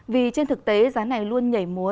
vì trên thực tế giá này luôn nhảy múa